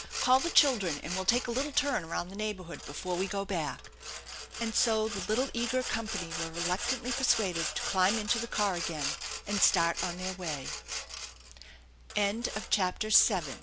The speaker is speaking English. " Call the children, and we'll take a little turn around the neighborhood before we go back." And so the little eager company were reluctantly per suaded to climb inta the car again and star